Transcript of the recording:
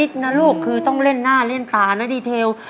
นะลูกคือต้องเล่นหน้าเล่นตานะดีเทล